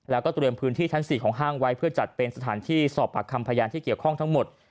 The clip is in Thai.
แล้วก็เตรียมพื้นที่ชั้น๔ของห้างไว้เพื่อจัดเป็นสถานที่สอบปากคำพยานที่เกี่ยวข้องทั้งหมด